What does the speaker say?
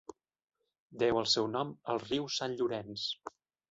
Deu el seu nom al riu Sant Llorenç.